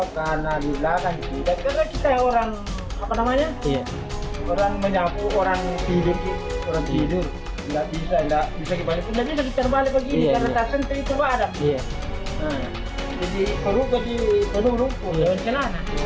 orang menyapu orang tidur tidak bisa tidak bisa terbalik begini karena